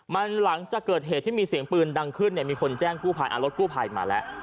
มันหลังจากเกิดเหตุที่มีเสียงปืนดังขึ้นเนี่ยมีคนแจ้งกู้ภัยรถกู้ภัยมาแล้ว